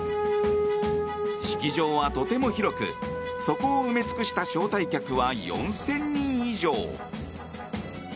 式場はとても広くそこを埋め尽くした招待客は４０００人以上。